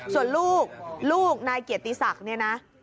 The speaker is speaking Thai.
ส่วนลูกลูกนายเกียรติศักดิ์เนี่ยนะ